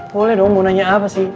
boleh dong mau nanya apa sih